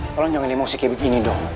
tolong jangan emosi kayak begini dong